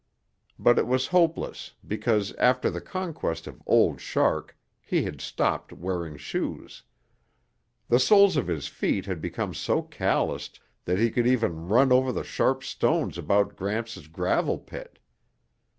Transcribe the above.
But it was hopeless because after the conquest of Old Shark he had stopped wearing shoes. The soles of his feet had become so calloused that he could even run over the sharp stones around Gramps' gravel pit.